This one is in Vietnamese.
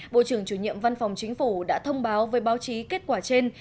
bộ trưởng chủ nhiệm văn phòng chính phủ đã thông báo với báo chí kết quả trên